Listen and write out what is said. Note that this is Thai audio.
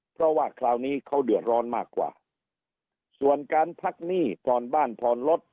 เพราะว่าคราวนี้เขาเดือดร้อนมากกว่าส่วนการพักหนี้ผ่อนบ้านผ่อนรถ